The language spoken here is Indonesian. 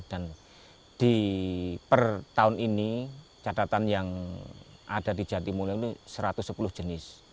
dan di per tahun ini catatan yang ada di jetimulyo itu satu ratus sepuluh jenis